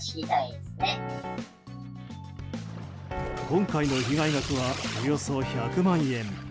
今回の被害額はおよそ１００万円。